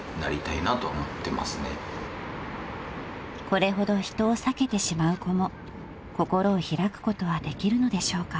［これほど人を避けてしまう子も心を開くことはできるのでしょうか？］